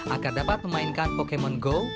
agar dapat memainkan pokemon go